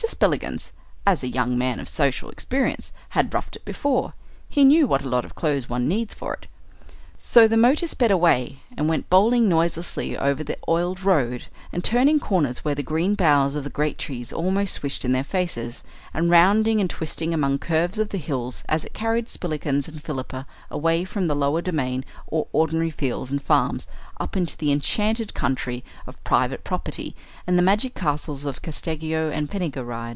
Spillikins, as a young man of social experience, had roughed it before. He knew what a lot of clothes one needs for it. So the motor sped away, and went bowling noiselessly over the oiled road, and turning corners where the green boughs of the great trees almost swished in their faces, and rounding and twisting among curves of the hills as it carried Spillikins and Philippa away from the lower domain or ordinary fields and farms up into the enchanted country of private property and the magic castles of Casteggio and Penny gw rydd.